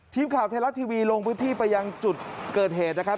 ทีมข่าวไทยรัฐทีวีลงพื้นที่ไปยังจุดเกิดเหตุนะครับ